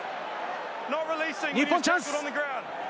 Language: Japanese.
日本チャンス！